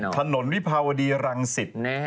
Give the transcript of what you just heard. ๓ถนนวิภาวดีรังศิษย์